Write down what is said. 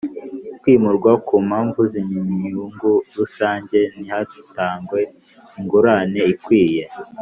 Kwimurwa ku mpamvu z inyungu rusange ntihatangwe ingurane ikwiye